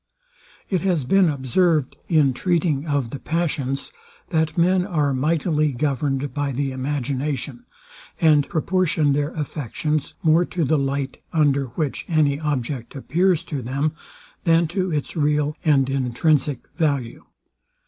It has been observed, in treating of the passions, that men are mightily governed by the imagination, and proportion their affections more to the light, under which any object appears to them, than to its real and intrinsic value.